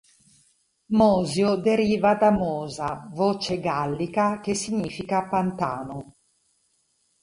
Mosio deriva da "mosa", voce gallica che significa pantano.